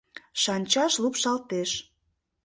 Шанчаш лупшалтеш